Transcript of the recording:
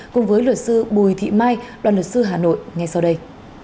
cùng với luật sư bùi thị mai đoàn luật sư hà nội ngay sau đây